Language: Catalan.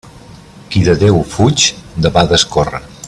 Qui de Déu fuig debades corre.